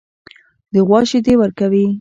غوا شیدې ورکوي.